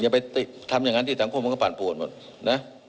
อย่าไปทำอย่างนั้นที่สังคมมันก็ปั่นป่วนหมดนะ